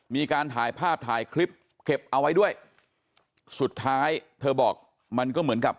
มีการถ่ายภาพถ่ายคลิปเก็บเอาไว้ด้วยสุดท้ายเธอบอกมันก็เหมือนกับ